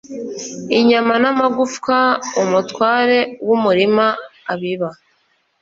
Inyama n'amagufwa umutware wumurima abiba